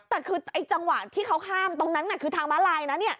แต่คือไอ้จังหวะที่เขาข้ามตรงนั้นคือทางม้าลายนะ